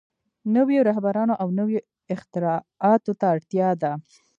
نويو رهبرانو او نويو اختراعاتو ته اړتيا ده.